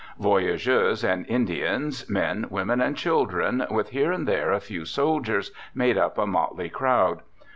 Voyageurs and Indians, men, women, and chil dren, with here and there a few soldiers, made up a motley crowd.